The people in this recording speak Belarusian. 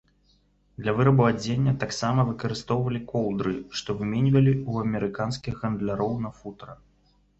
Для вырабу адзення таксама выкарыстоўвалі коўдры, што выменьвалі ў амерыканскіх гандляроў на футра.